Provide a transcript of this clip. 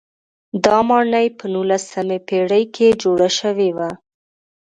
دا ماڼۍ په نولسمې پېړۍ کې جوړه شوې وه.